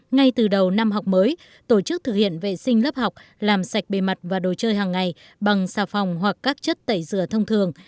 ngay từ đầu năm học mới tổ chức thực hiện vệ sinh lớp học làm sạch bề mặt và đồ chơi hàng ngày bằng xà phòng hoặc các chất tẩy rửa thông thường